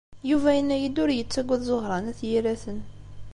Yuba yenna-iyi-d ur yettagad Ẓuhṛa n At Yiraten.